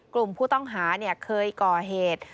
กลุ่มผู้ต้องหาเคยก่อเหตุ